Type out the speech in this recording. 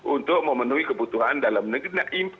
untuk memenuhi kebutuhan dalam negeri